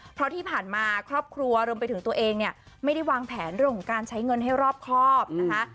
เพราะที่ผ่านมาครอบครัวรวมไปถึงตัวเองเนี่ยไม่ได้วางแผนเรื่องของการใช้เงินให้รอบครอบนะคะ